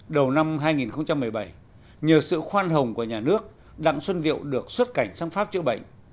đầu năm hai nghìn một mươi bảy nhờ sự khoan hồng của nhà nước đặng xuân diệu được xuất cảnh sang pháp chữa bệnh